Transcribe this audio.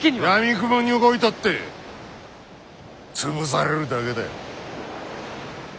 やみくもに動いたって潰されるだけだ。